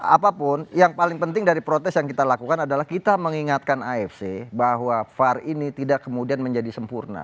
apapun yang paling penting dari protes yang kita lakukan adalah kita mengingatkan afc bahwa var ini tidak kemudian menjadi sempurna